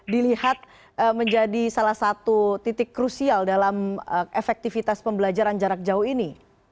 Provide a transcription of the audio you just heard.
dilihat menjadi salah satu titik krusial dalam efektivitas pembelajaran jarak jauh ini